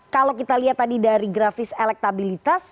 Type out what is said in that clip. kalau kita lihat tadi dari grafis elektabilitas